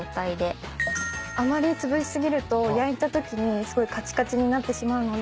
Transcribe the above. あまりつぶし過ぎると焼いたときにすごいかちかちになってしまうので。